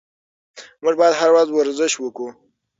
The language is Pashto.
موږ باید هره ورځ ورزش وکړو.